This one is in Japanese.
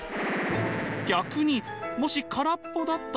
逆にもし空っぽだったら？